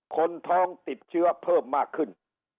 คนท้องติดเชื้อเพิ่มมากขึ้น